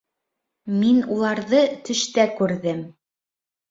Мин уларҙы төштә күрҙем